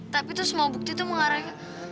tapi tuh semua bukti tuh mengarahin